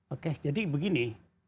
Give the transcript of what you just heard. oke jadi begini